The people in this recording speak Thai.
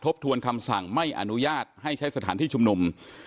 ทวนคำสั่งไม่อนุญาตให้ใช้สถานที่ชุมนุม